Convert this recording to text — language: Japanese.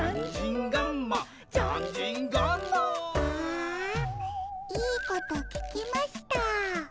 ああいいこと聞きました。